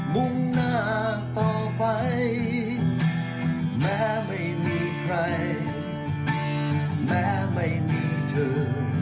แม้ไม่มีใครแม้ไม่มีเธอ